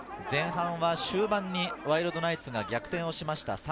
前半は終盤にワイルドナイツが逆転をしました。